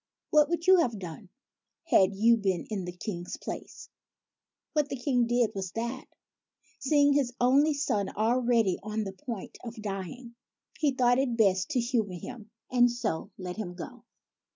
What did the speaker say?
What would you have done, had you been in the King's place ? What the King did was that, seeing his only son already on the point of dying, he thought it best to humor him ; and so let him go.